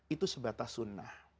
itu sebatas sunnah